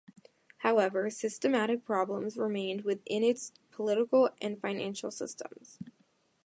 However, systemic problems remained within its political and financial systems.